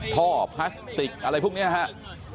ท่อพลาสติกอะไรพวกนี้นะครับ